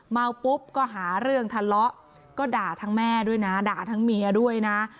เมาปุ๊บก็หาเรื่องทะเลาะก็ด่าทั้งแม่ด้วยนะด่าทั้งเมียด้วยนะ